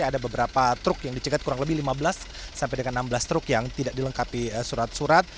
ada beberapa truk yang dicegat kurang lebih lima belas sampai dengan enam belas truk yang tidak dilengkapi surat surat